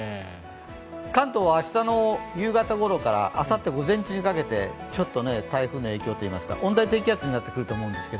関東は明日の夕方ごろからあさって午前中にかけてちょっと台風の影響といいますか、温帯低気圧になってくると思いますが